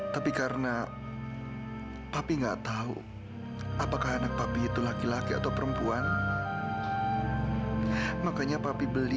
tapi karena papi nggak tahu apakah anak papi itu laki laki atau perempuan makanya papi beli